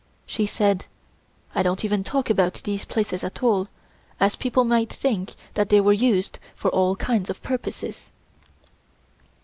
She said: "I don't even talk about these places at all, as people might think that they were used for all kinds of purposes."